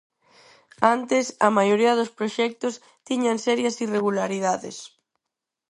Antes, a maioría dos proxectos tiñan serias irregularidades.